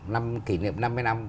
năm kỉ niệm năm mươi năm